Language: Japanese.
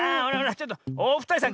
ちょっとおふたりさん